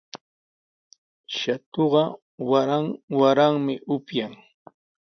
Shatuqa waran waranmi upyan.